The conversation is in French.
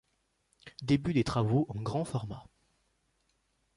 Début des travaux en grand format.